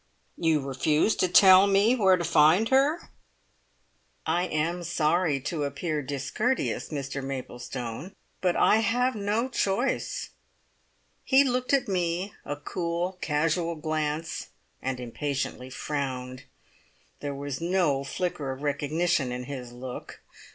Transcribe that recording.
"You refuse to tell me where to find her?" "I am sorry to appear discourteous, Mr Maplestone, but I have no choice." He looked at me, a cool, casual glance, and impatiently frowned. There was no flicker of recognition in his look.